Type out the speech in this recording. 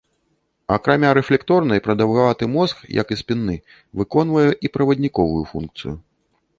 Акрамя рэфлекторнай, прадаўгаваты мозг, як і спінны, выконвае і правадніковую функцыю.